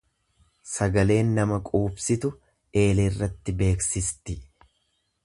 Sagaleen nama quubsitu eeleerratti beeksisti.